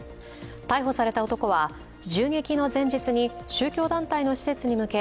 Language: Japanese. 逮捕された男は、銃撃の前日に宗教団体の施設に向け